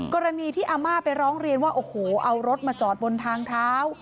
กรณีที่อาม่าไปร้องเรียนว่าโอ้โหเอารถมาจอดบนทางเท้า